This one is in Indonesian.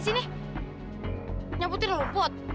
saya sudah mencabut rumput